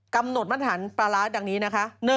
กำหนดมาตรฐานปลาร้าอย่างนี้นะคะ